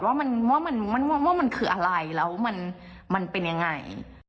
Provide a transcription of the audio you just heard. ว่ามันคืออะไรแล้วมันเป็นยังไง